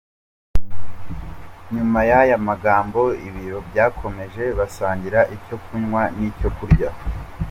Nyuma y’aya magambo, ibirori byakomeje, basangira icyo kunywa n’icyo kurya.